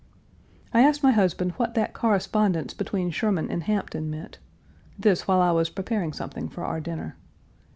I asked my husband what that correspondence between Sherman and Hampton meant this while I was preparing something for our dinner.